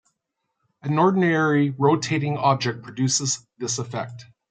Any ordinary rotating object produces this effect.